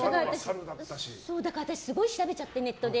だから私すごい調べちゃって、ネットで。